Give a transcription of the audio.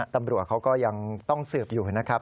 ตำรวจเขาก็ยังต้องสืบอยู่นะครับ